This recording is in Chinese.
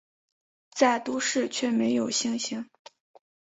在都市却没有星星